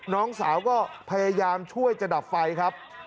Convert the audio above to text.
น้องสาวก็พยายามช่วยจะดับไฟครับ